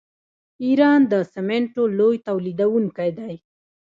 ایران د سمنټو لوی تولیدونکی دی.